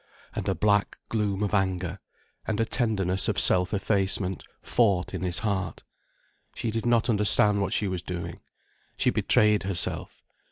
And a black gloom of anger, and a tenderness of self effacement, fought in his heart. She did not understand what she was doing. She betrayed herself.